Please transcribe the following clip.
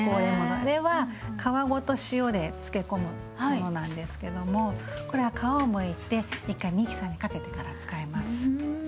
あれは皮ごと塩で漬け込むものなんですけどもこれは皮をむいて一回ミキサーにかけてから使います。